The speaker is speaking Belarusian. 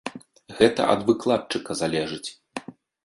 Гэта ад выкладчыка залежыць.